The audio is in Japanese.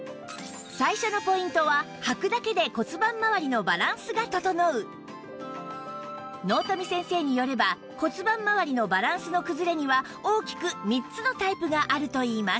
最初のポイントは納富先生によれば骨盤まわりのバランスの崩れには大きく３つのタイプがあるといいます